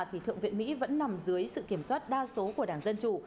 thì thượng viện mỹ vẫn nằm dưới sự kiểm soát đa số của đảng dân chủ